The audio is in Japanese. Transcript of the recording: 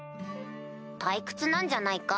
退屈なんじゃないか？